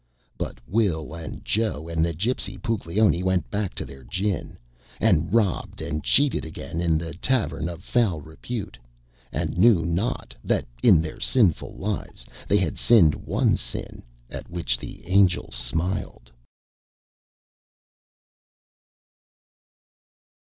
But Will and Joe and the gypsy Puglioni went back to their gin, and robbed and cheated again in the tavern of foul repute, and knew not that in their sinful lives they had sinned one sin at which the Angels smiled.